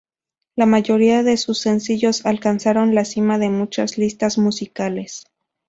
La mayoría de sus sencillos alcanzaron la cima de muchas listas musicales.